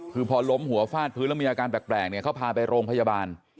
คือพอล้มหัวฟาดพื้นแล้วมีอาการแปลกเนี่ยเขาพาไปโรงพยาบาล